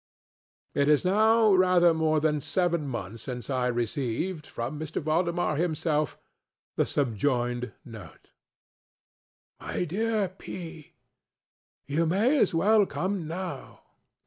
It is now rather more than seven months since I received, from M. Valdemar himself, the subjoined note: MY DEAR PŌĆöŌĆö, You may as well come now.